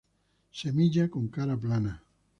Semilla con cara plana.